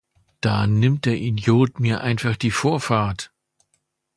Da nimmt der Idiot mir einfach die Vorfahrt!